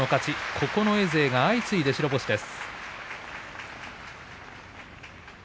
九重勢、相次いで白星です。